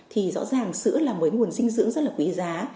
thì rõ ràng sữa là một nguồn dinh dưỡng rất là quý giá